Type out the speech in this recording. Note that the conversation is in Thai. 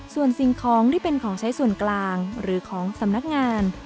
ส่วนสิ่งของที่เป็นของใช้ส่วนกลางหรือของสำนักงาน